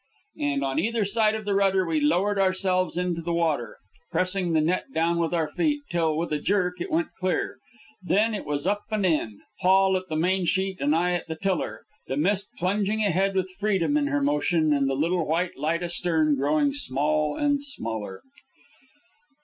And on either side of the rudder we lowered ourselves into the water, pressing the net down with our feet, till, with a jerk, it went clear, Then it was up and in, Paul at the main sheet and I at the tiller, the Mist plunging ahead with freedom in her motion, and the little white light astern growing small and smaller.